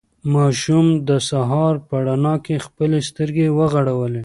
ماشوم د سهار په رڼا کې خپلې سترګې وغړولې.